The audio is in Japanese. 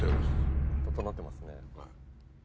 整ってますね。